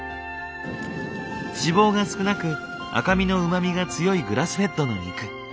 脂肪が少なく赤身のうまみが強いグラスフェッドの肉。